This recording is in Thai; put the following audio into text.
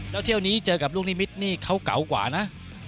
แล้วเที่ยวนี้เจอกับลูกนิมิตรนี่เขาเก่ากว่านะ